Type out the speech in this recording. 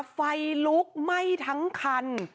ไฟลุกไหม้ทั้งคัน